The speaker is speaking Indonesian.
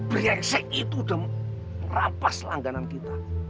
biasa itu udah merampas langganan kita